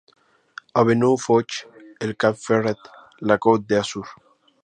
Avenue Foch, el Cap Ferret, la Côte d'Azur.